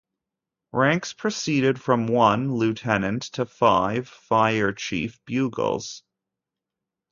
Ranks proceed from one (lieutenant) to five (fire chief) bugles.